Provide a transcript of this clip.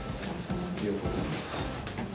ありがとうございます。